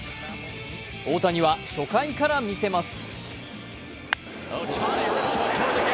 大谷は初回から見せます。